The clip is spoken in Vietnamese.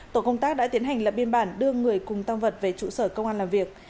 tổ công tác đã tiến hành lập biên bản đưa người cùng tăng vật về trụ sở công an làm việc